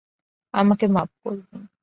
আমাকে মাপ করবেন।